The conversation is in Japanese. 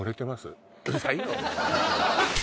うるさいよ！